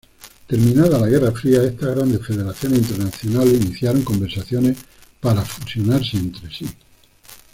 Terminada la Guerra Fría estas grandes federaciones internacionales iniciaron conversaciones para fusionarse entre sí.